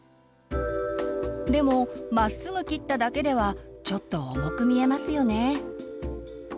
でもまっすぐ切っただけではちょっと重く見えますよね。